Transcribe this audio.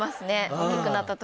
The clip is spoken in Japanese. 大きくなった時。